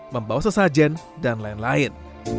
membawa sesajen dan lain lain